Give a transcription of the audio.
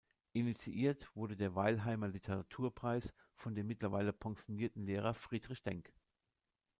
Initiiert wurde der Weilheimer Literaturpreis von dem mittlerweile pensionierten Lehrer Friedrich Denk.